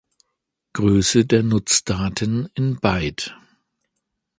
Größe der Nutzdaten in Byte.